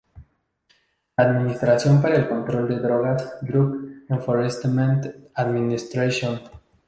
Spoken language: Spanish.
La Administración para el Control de Drogas, Drug Enforcement Administration